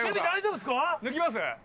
抜きます？